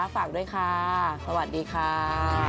ฝากด้วยค่ะสวัสดีค่ะ